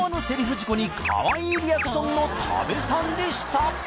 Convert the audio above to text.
事故にかわいいリアクションの多部さんでした